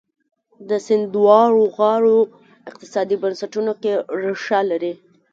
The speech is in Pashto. د سیند دواړو غاړو اقتصادي بنسټونو کې ریښه لري.